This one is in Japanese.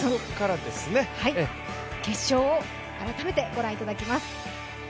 決勝を改めてご覧いただきます。